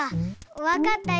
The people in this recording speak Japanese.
わかったよ。